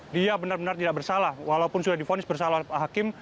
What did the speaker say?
dia benar benar tidak bersalah walaupun sudah difonis bersalah hakim